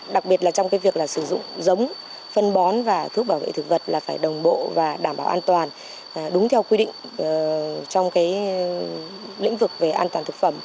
đặc biệt là trong cái việc là sử dụng giống phân bón và thuốc bảo vệ thực vật là phải đồng bộ và đảm bảo an toàn đúng theo quy định trong cái lĩnh vực về an toàn thực phẩm